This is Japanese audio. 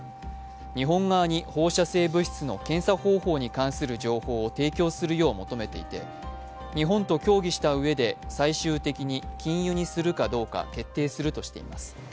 日本側に放射性物質の検査方法に関する情報を提供するよう求めていて日本と協議したうえで最終的に禁輸にするかどうか決定するとしています。